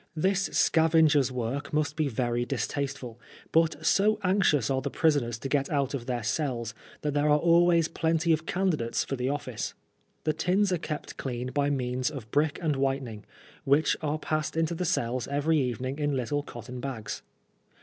This scavenger's work must be very distasteful, but so anxious are the prisoners to get out of their cells that there are always plenty of candidates for the of&ce. The tins are kept clean by means of brick and white ning, which are passed into the cells every evening in little cotton bags.